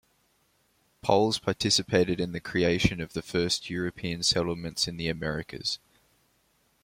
Poles participated in the creation of first European settlements in the Americas.